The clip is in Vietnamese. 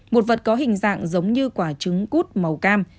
một vật có hình dạng giống như quả trứng cút màu cam